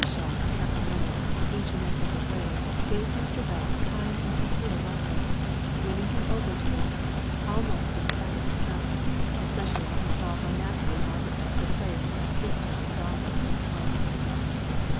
Shaw and Captain Lennox, each in their separate way, gave Mr. Bell a kind and sincere welcome, winning him over to like them almost in spite of himself, especially when he saw how naturally Margaret took her place as sister and daughter of the house.